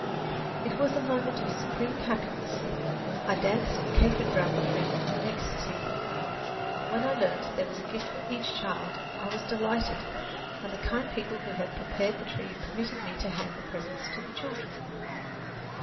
It was a moment of supreme happiness. I danced and capered round the tree in an ecstasy. When I learned that there was a gift for each child, I was delighted, and the kind people who had prepared the tree permitted me to hand the presents to the children.